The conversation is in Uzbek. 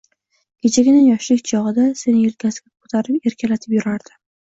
Kechagina, yoshlik chog'ida seni yelkasiga ko'tarib, erkalatib yurardi